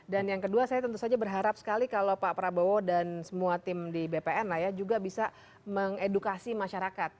dan yang kedua saya tentu saja berharap sekali kalau pak prabowo dan semua tim di bpn juga bisa mengedukasi masyarakat